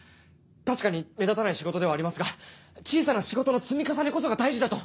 確かに目立たない仕事ではありますが小さな仕事の積み重ねこそが大事だと。